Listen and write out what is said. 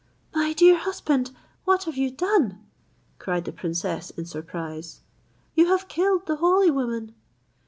"My dear husband, what have you done?" cried the princess in surprise. "You have killed the holy woman."